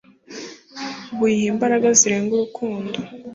buyiha imbaraga zirenze urukundo